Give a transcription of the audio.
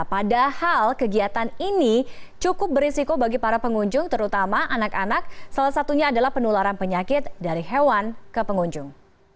padahal kegiatan ini cukup berisiko bagi para pengunjung terutama anak anak salah satunya adalah penularan penyakit dari hewan ke pengunjung